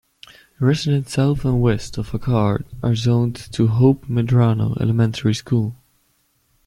Residents south and west of Akard are zoned to Hope Medrano Elementary School.